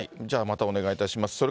じゃあ、またお願いいたします。